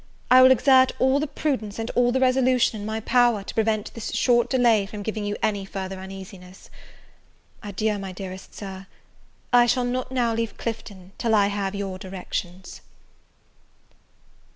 I will exert all the prudence and all the resolution in my power, to prevent this short delay from giving you any further uneasiness. Adieu, my dearest Sir. I shall not now leave Clifton till I have your directions.